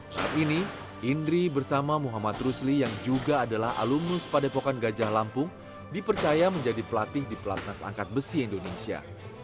saat ini indri bersama muhammad rusli yang juga adalah alumnus padepokan gajah lampung dipercaya menjadi pelatih di pelatnas angkat besi indonesia